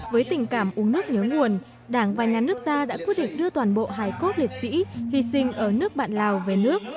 với tình cảm uống nước nhớ nguồn đảng và nhà nước ta đã quyết định đưa toàn bộ hải cốt liệt sĩ hy sinh ở nước bạn lào về nước